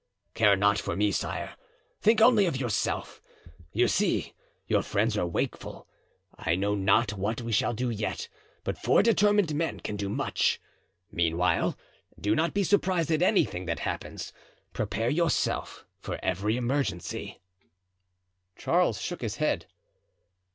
"Care not for me, sire; think only of yourself. You see, your friends are wakeful. I know not what we shall do yet, but four determined men can do much. Meanwhile, do not be surprised at anything that happens; prepare yourself for every emergency." Charles shook his head.